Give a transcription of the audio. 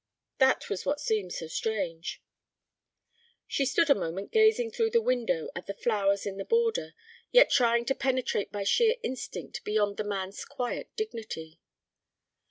"That was what seemed so strange." She stood a moment gazing through the window at the flowers in the border, yet trying to penetrate by sheer instinct beyond the man's quiet dignity.